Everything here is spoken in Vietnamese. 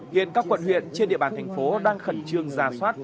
hiện các quận huyện trên địa bàn thành phố đang khẩn trương ra soát